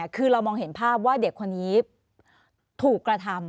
คือเรามองเห็นภาพว่าเด็กคนนี้ถูกกระทำ